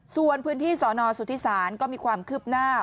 ส่วนพื้นที่สนสุธิศาลก็มีความคืบหน้า